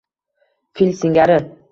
Fil singari